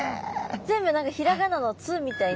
全部何かひらがなの「つ」みたいになってる。